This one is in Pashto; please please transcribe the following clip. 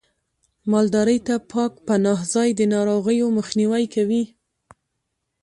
مالدارۍ ته پاک پناه ځای د ناروغیو مخنیوی کوي.